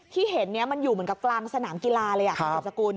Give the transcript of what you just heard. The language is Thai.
ที่เห็นนี้มันอยู่เหมือนกับกลางสนามกีฬาเลยคุณสุดสกุล